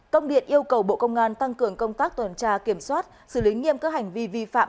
công điện yêu cầu bộ công an tăng cường công tác tuần tra kiểm soát xử lý nghiêm các hành vi vi phạm